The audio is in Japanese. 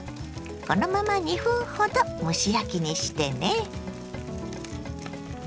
このまま２分ほど蒸し焼きにしてね。